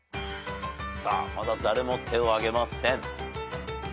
まだ誰も手を挙げません。